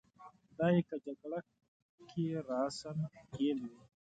دای که جګړه کې راساً ښکېل وي.